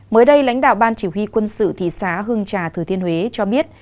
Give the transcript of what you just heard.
mới đây lãnh đạo ban chỉ huy quân sự thị xã hương trà thừa thiên huế cho biết